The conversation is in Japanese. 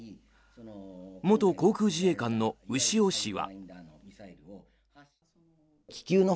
元航空自衛官の潮氏は。